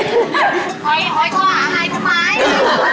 อุ่นแหละ